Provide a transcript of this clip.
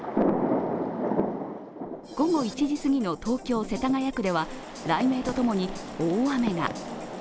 午後１時すぎの東京・世田谷区では雷鳴と共に大雨が。